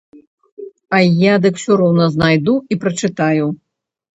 А я дык усё роўна знайду і прачытаю.